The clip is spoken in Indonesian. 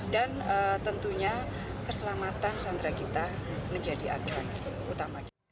dan tentunya keselamatan sandera kita menjadi acuan utama